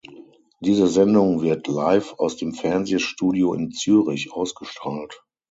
Diese Sendung wird live aus dem Fernsehstudio in Zürich ausgestrahlt.